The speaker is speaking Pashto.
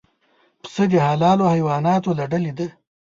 پسه د حلالو حیواناتو له ډلې دی.